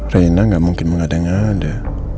reina gak mungkin mengadang ada